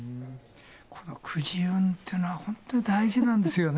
くじ運ってのは本当に大事なんですよね。